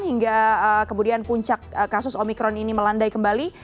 hingga kemudian puncak kasus omikron ini melandai kembali